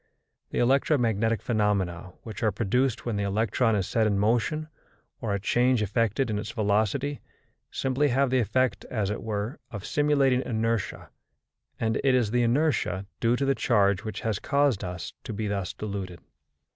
The electromagnetic phenomena which are produced when the electron is set in motion or a change effected in its velocity, simply have the effect, as it were, of simulating inertia, and it is the inertia due to the charge which has caused us to be thus deluded.